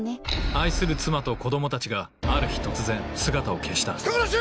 愛する妻と子供たちがある日突然姿を消した人殺し！